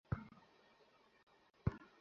আপনাদের সম্মান একবার গেলো তো গেলো।